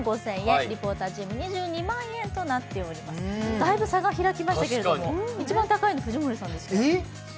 だいぶ差が開きましたけれども、一番高いの藤森さんですね。